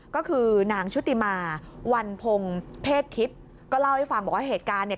ก็คือนางชุติมาวันพงเพศคิดก็เล่าให้ฟังบอกว่าเหตุการณ์เนี่ย